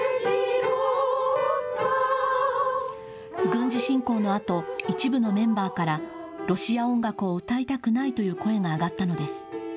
軍事侵攻のあと一部のメンバーからロシア音楽を歌いたくないという声が上がったのです。